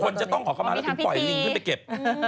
คนจะต้องขอเข้ามาแล้วถึงปล่อยลิงขึ้นไปเก็บ